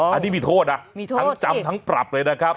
อันนี้มีโทษนะมีโทษทั้งจำทั้งปรับเลยนะครับ